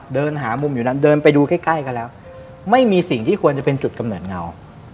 เดินหามุมอยู่นั้นเดินไปดูใกล้ใกล้กันแล้วไม่มีสิ่งที่ควรจะเป็นจุดกำเนิดเงา